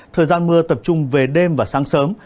thời gian mưa tập trung về đêm và sáng sớm